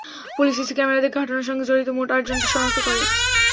Police CC camera দেখে ঘটনার সঙ্গে জড়িত মোট আটজনকে শনাক্ত করে।